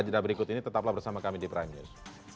jeda berikut ini tetaplah bersama kami di prime news